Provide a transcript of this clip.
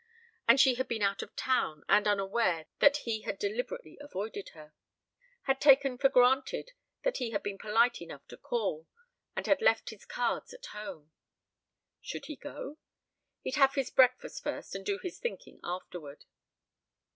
And she had been out of town and unaware that he had deliberately avoided her. Had taken for granted that he had been polite enough to call and had left his cards at home. Should he go? He'd have his breakfast first and do his thinking afterward.